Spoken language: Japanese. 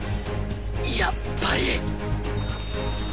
やっぱり！